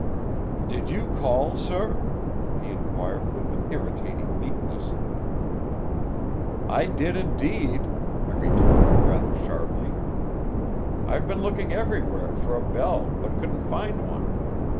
"Did you call, sir?" he inquired with an irritating meekness. "I did, indeed," I returned rather sharply. "I've been looking everywhere for a bell, but couldn't find one.